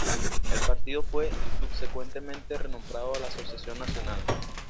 El partido fue subsecuentemente renombrado la Asociación Nacional.